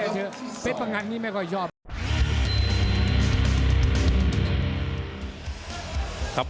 เพชรประงัดนี้ไม่ค่อยชอบ